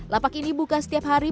lapak ini buka setiap hari